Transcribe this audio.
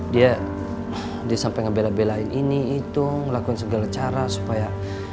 dia dia sampe ngebelah belahin ini itu ngelakuin segala cara supaya